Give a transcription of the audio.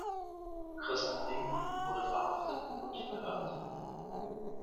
Christa Lehmann wurde verhaftet und verhört.